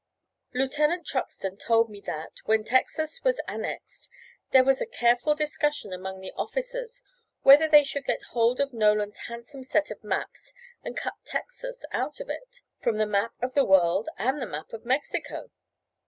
Lieutenant Truxton told me that, when Texas was annexed, there was a careful discussion among the officers, whether they should get hold of Nolan's handsome set of maps and cut Texas out of it from the map of the world and the map of Mexico.